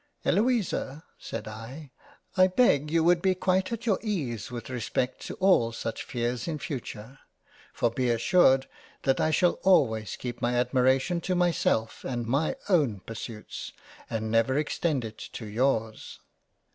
" Eloisa (said I) I beg you would be quite at your Ease with respect to all such fears in future, for be assured that I shall always keep my admiration to myself and my own pursuits and never extend it to yours."